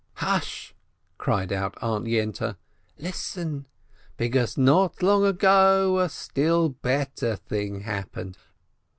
"Hush!" cried out Aunt Yente, "listen, because not long ago a still better thing happened.